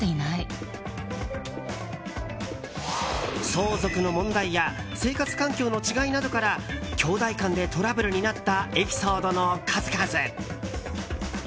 相続の問題や生活環境の違いなどからきょうだい間でトラブルになったエピソードの数々。